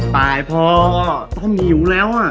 ตายพอถ้าหิวแล้ว